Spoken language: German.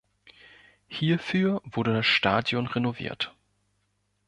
Hierfür wurde das Stadion renoviert.